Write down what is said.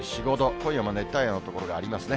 今夜も熱帯夜の所がありますね。